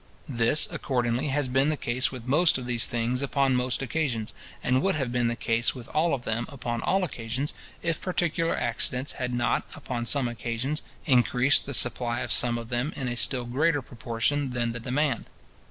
This, accordingly, has been the case with most of these things upon most occasions, and would have been the case with all of them upon all occasions, if particular accidents had not, upon some occasions, increased the supply of some of them in a still greater proportion than the demand.